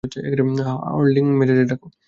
হারলিং মেজকে ডাকো।